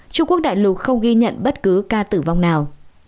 trung quốc đại lục không ghi nhận bất cứ ca tử vong nào